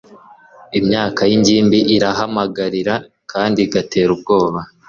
imyaka y'ingimbi irahamagarira kandi igatera ubwoba